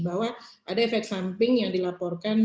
bahwa ada efek samping yang dilaporkan